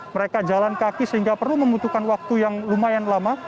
mereka jalan kaki sehingga perlu membutuhkan waktu yang lumayan lama